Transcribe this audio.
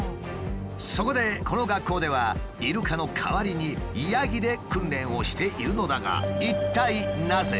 そこでこの学校ではイルカの代わりにヤギで訓練をしているのだが一体なぜ？